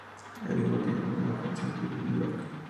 El mismo tiene la misma función que un lock.